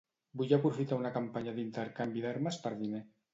Vull aprofitar una campanya d'intercanvi d'armes per diner.